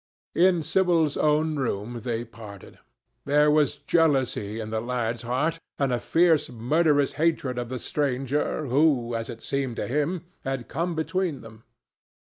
In Sybil's own room they parted. There was jealousy in the lad's heart, and a fierce murderous hatred of the stranger who, as it seemed to him, had come between them.